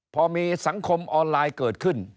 พอมีสังคมออนไลน์เกิดขึ้น